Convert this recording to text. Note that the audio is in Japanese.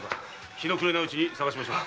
日が暮れないうちに捜しましょう。